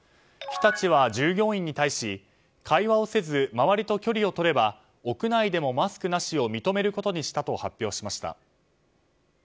日立は従業員に対し会話をせず周りと距離をとれば屋内でもマスクなしを認めることにしたと発表しました。